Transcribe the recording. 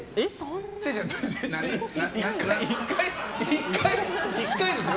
１回ですよ？